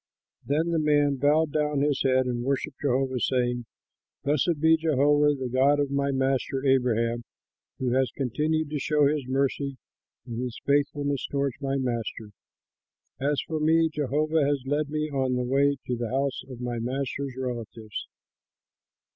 Then the man bowed his head and worshipped Jehovah, saying, "Blessed be Jehovah, the God of my master Abraham, who has continued to show his mercy and his faithfulness toward my master. As for me, Jehovah has led me on the way to the house of my master's relatives."